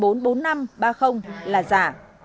chúng tôi sẽ tiếp tục thông tin